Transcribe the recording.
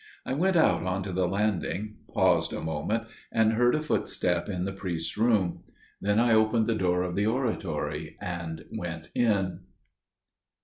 I went out on to the landing, paused a moment, and heard a footstep in the priest's room. Then I opened the door of the oratory and went in.